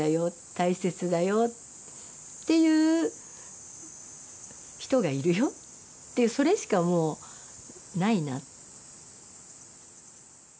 大切だよっていう人がいるよっていうそれしかもうないな。